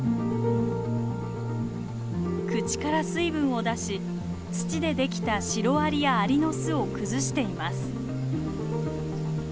口から水分を出し土でできたシロアリやアリの巣を崩しています。